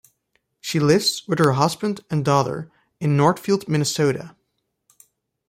She lives with her husband and daughter in Northfield, Minnesota.